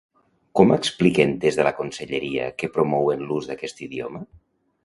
Com expliquen des de la conselleria que promouen l'ús d'aquest idioma?